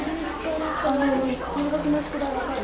数学の宿題わかる？